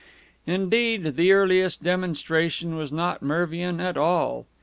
Indeed, the earliest demonstration was not Mervian at all.